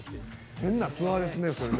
変なツアーですね。